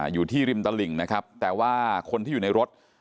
อยู่ที่ริมตลิ่งนะครับแต่ว่าคนที่อยู่ในรถ